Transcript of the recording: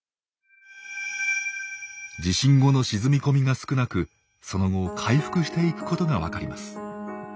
地震後の沈み込みが少なくその後回復していくことが分かります。